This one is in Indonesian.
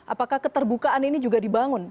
apakah keterbukaan ini juga dibangun